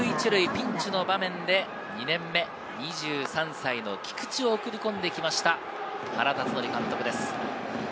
ピンチの場面で２年目、２３歳の菊地を送り込んできました、原辰徳監督です。